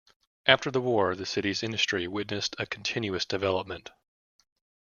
After the war, the city's industry witnessed a continuous development.